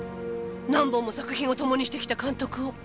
⁉何本も作品をともにしてきた監督を！